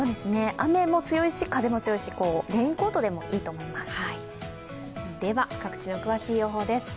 雨も強いし、風も強いしレインコートでもいいと思います。